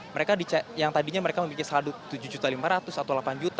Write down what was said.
mereka yang tadinya mereka memiliki saldo tujuh lima ratus atau delapan juta